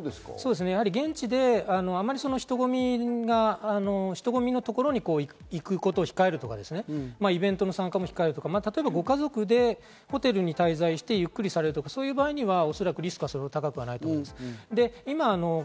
現地であまり人混みのところに行くことを控えるとか、イベントの参加も控えるとか、ご家族でホテルに滞在してゆっくりされるとかそういう場合にはリスクはそれほど高くないと思います。